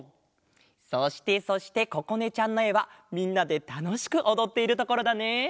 そしてそしてここねちゃんのえはみんなでたのしくおどっているところだね。